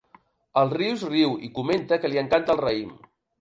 El Rius riu i comenta que li encanta el raïm.